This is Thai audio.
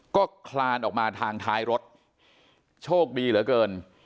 ก็คลานออกมาทางท้ายรถโชคดีเหลือเกิน